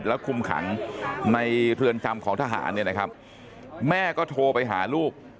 แล้วคุมขังในเรือนจำของทหารเนี่ยนะครับแม่ก็โทรไปหาลูก